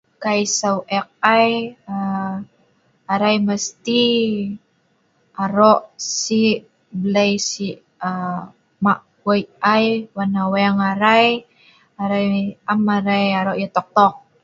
Kai sew ek ai aa..Arai mesti aro' se'mmlei se'aa mak Wei ai wan aweng arai ,arai am arai aro' yah tok-tok.